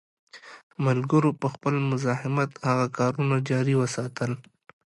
ملګرو په خپل مزاحمت هغه کارونه جاري وساتل.